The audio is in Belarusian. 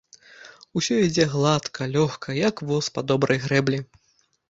Усё ідзе гладка, лёгка, як воз па добрай грэблі.